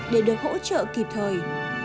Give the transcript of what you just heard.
để được hỗ trợ kịp thời